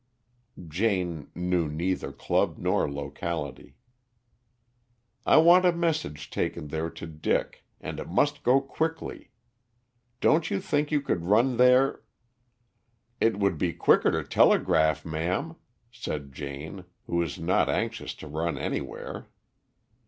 Jane knew neither club nor locality. "I want a message taken there to Dick, and it must go quickly. Don't you think you could run there " "It would be quicker to telegraph, ma'am," said Jane, who was not anxious to run anywhere.